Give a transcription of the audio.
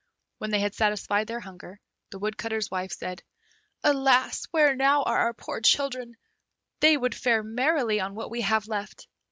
When they had satisfied their hunger, the Woodcutter's wife said, "Alas! where now are our poor children; they would fare merrily on what we have left.